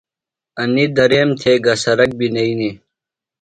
اینیۡ دریم تھےۡ گہ سرک بیۡ نئینی۔